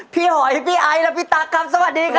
พี่หอยพี่ไอละพี่ตักครับสวัสดีค่ะ